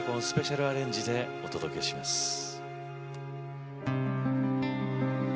スペシャルアレンジで、お届けします。